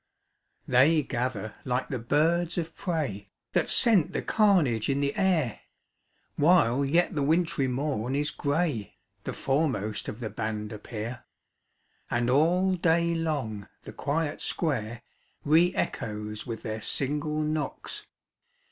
THEY gather like the birds of prey, That scent the carnage in the air ; While yet the wintry mom is grey, The foremost of the band appear ; And all day long the quiet square Re echoes with their single knocks.